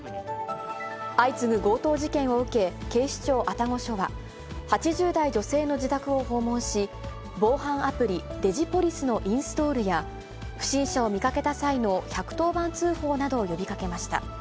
相次ぐ強盗事件を受け、警視庁愛宕署は、８０代女性の自宅を訪問し、防犯アプリ、デジポリスのインストールや、不審者を見かけた際の１１０番通報などを呼びかけました。